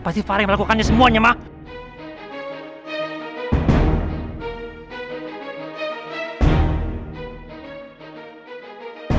pasti bhara yang melakukan semua nya memang